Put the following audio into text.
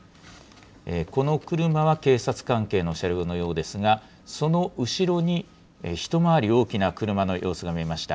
この車は警察関係の車両のようですが、その後ろに一回り大きな車の様子が見えました。